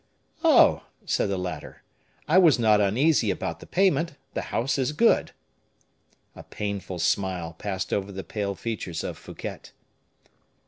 "Oh!" said the latter, "I was not uneasy about the payment; the house is good." A painful smile passed over the pale features of Fouquet.